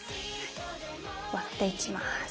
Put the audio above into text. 割っていきます。